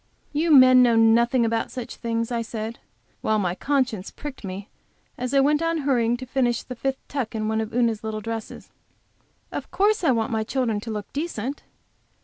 "You men know nothing about such things," I said, while my conscience pricked me as I went on hurrying to finish the fifth tuck in one of Una's little dresses. "Of course I want my children to look decent."